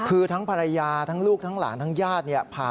คือทั้งภรรยาทั้งลูกทั้งหลานทั้งญาติเนี่ย